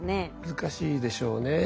難しいでしょうね。